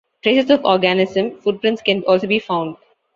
Traces of organism footprints can also be found.